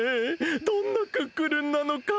どんなクックルンなのか？